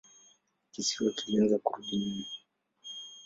Kisiwa kilianza kurudi nyuma.